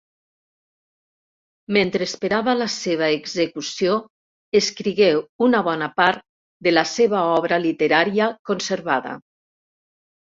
Mentre esperava la seva execució escrigué una bona part de la seva obra literària conservada.